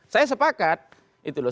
saya sepakat itu loh